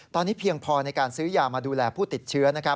ตอนนี้เพียงพอในการซื้อยามาดูแลผู้ติดเชื้อ